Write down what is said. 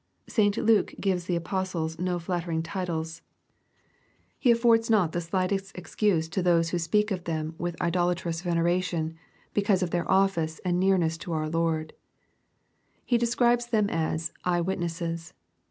St. Luke gives the apostles no flattering titles. He affords not LUEE^ CHAP. I. 8 tbe slightest excuse to those who speak of them with idolatrous veneration^ because of their office and near* ness to our Lord. He describes them as " eye witnesses."